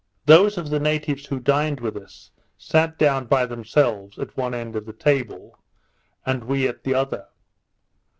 Those of the natives who dined with us, sat down by themselves, at one end of the table, and we at the other.